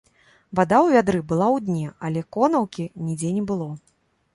Вада ў вядры была ў дне, але конаўкі нідзе не было.